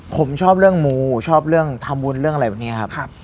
ผมชอบเรื่องมูชอบเรื่องทำบุญเรื่องอะไรแบบนี้ครับ